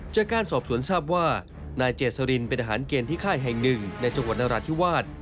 จากการสอบสวนทราบว่านายเจษรินเป็นอาหารเกณฑ์ที่ค่ายแห่งหนึ่งในจังหวัดนราธิวาส